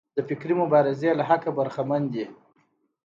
د فکري مبارزې له حقه برخمن دي.